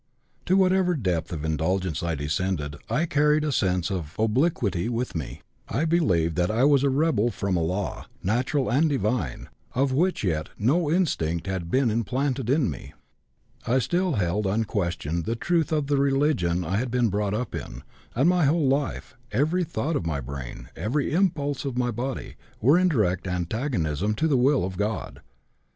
To whatever depth of indulgence I descended I carried a sense of obliquity with me; I believed that I was a rebel from a law, natural and divine, of which yet no instinct had been implanted in me. I still held unquestioned the truth of the religion I had been brought up in, and my whole life, every thought of my brain, every impulse of my body, were in direct antagonism to the will of God.